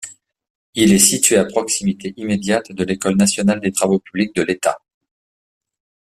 Il est situé à proximité immédiate de l'école nationale des travaux publics de l'État.